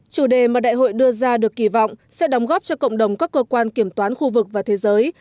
chủ đề mà đại hội đưa ra được kỳ vọng sẽ đóng góp cho cộng đồng các cơ quan kiểm toán khu vực và thế giới